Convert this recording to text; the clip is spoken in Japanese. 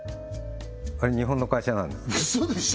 あれ日本の会社なんですうそでしょ？